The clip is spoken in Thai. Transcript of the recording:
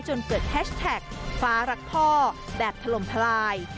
จนเกิดแฮชแท็กฟ้ารักพ่อแบบถล่มทลาย